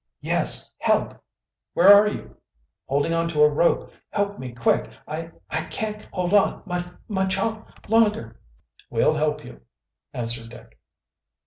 "Yes! Help!" "Where are you?" "Holding on to a rope. Help me quick. I I can't hold on mu much longer!" "We'll help you," answered Dick.